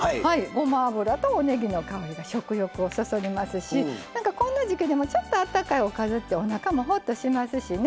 ごま油とおねぎの香りが食欲をそそりますしこんな時季でもちょっとあったかいおかずっておなかもほっとしますしね。